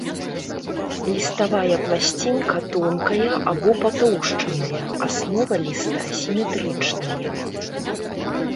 Ліставая пласцінка тонкая або патоўшчаная, аснова ліста сіметрычная.